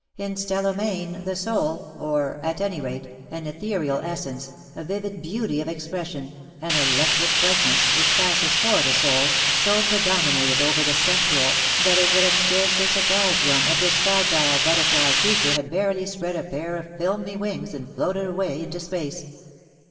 In Stella Mayne the soul, or, at any rate, an ethereal essence, a vivid beauty of expression, an electric brightness, which passes for the soul, so predominated over the sensual, that it would have scarcely sur prised one if this fragile butterfly creature had verily spread a pair of filmy wings and floated away into space.